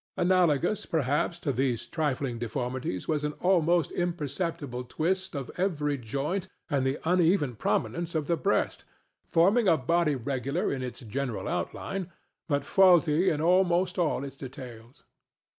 Analogous, perhaps, to these trifling deformities was an almost imperceptible twist of every joint and the uneven prominence of the breast, forming a body regular in its general outline, but faulty in almost all its details.